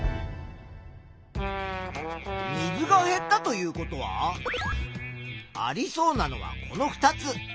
水が減ったということはありそうなのはこの２つ。